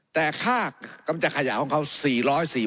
แต่ค่ากำจัดขยะของเขาหนึ่งหล่อ๑ฟันสดท้าย